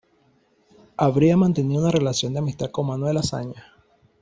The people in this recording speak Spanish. Habría mantenido una relación de amistad con Manuel Azaña.